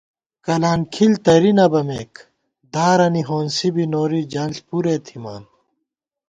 کلان کھِل ترِی نہ بَمېک، دارَنی ہونسی بی نوری جنݪ پُرےتھِمان